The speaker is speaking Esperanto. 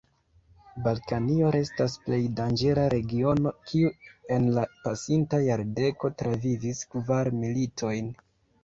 Balkanio restas plej danĝera regiono, kiu en la pasinta jardeko travivis kvar militojn.